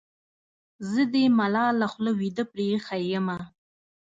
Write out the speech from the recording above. زه دې ملاله خوله وېده پرې اېښې یمه.